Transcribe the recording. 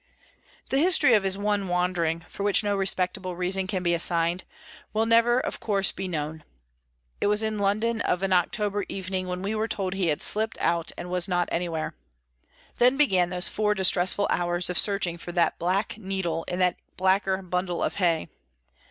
The history of his one wandering, for which no respectable reason can be assigned, will never, of course, be known. It was in London, of an October evening, when we were told he had slipped out and was not anywhere. Then began those four distressful hours of searching for that black needle in that blacker bundle of hay.